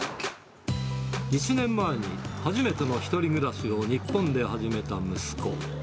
１年前に初めての１人暮らしを日本で始めた息子。